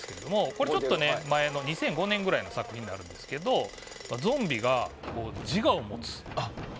これ、ちょっと前の２００５年くらいの作品なんですがゾンビが自我を持つ。